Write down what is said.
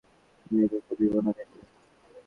আমার দেশ থেকে এক মুঠো মাটিও নিয়ে যেতে দিব না তোকে।